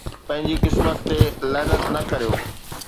پنهنجي قسمت تي لعنت نه ڪريو